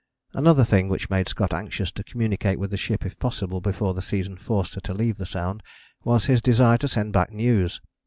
Another thing which made Scott anxious to communicate with the ship if possible before the season forced her to leave the Sound was his desire to send back news.